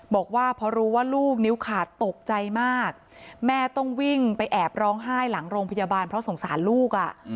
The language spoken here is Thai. บอกว่าพอรู้ว่าลูกนิ้วขาดตกใจมากแม่ต้องวิ่งไปแอบร้องไห้หลังโรงพยาบาลเพราะสงสารลูก